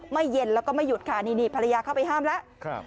เย็นแล้วก็ไม่หยุดค่ะนี่ภรรยาเข้าไปห้ามแล้ว